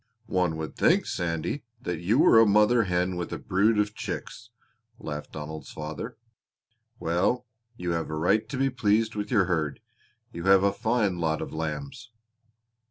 "One would think, Sandy, that you were a mother hen with a brood of chicks!" laughed Donald's father. "Well, you have a right to be pleased with your herd. You have a fine lot of lambs."